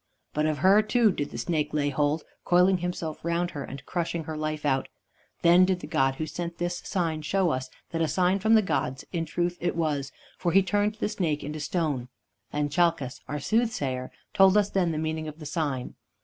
But of her, too, did the snake lay hold, coiling himself round her and crushing her life out. Then did the god who sent this sign show us that a sign from the gods in truth it was, for he turned the snake into stone. And Chalcas, our soothsayer, told us then the meaning of the sign.